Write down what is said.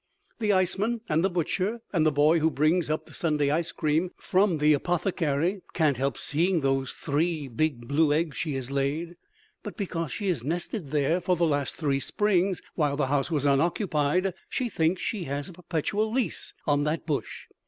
The iceman and the butcher and the boy who brings up the Sunday ice cream from the apothecary can't help seeing those three big blue eggs she has laid. But, because she has nested there for the last three springs, while the house was unoccupied, she thinks she has a perpetual lease on that bush.